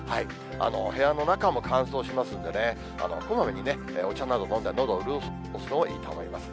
部屋の中も乾燥しますんでね、こまめにお茶など飲んでのどを潤すのもいいと思います。